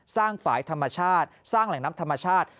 ฝ่ายธรรมชาติสร้างแหล่งน้ำธรรมชาติ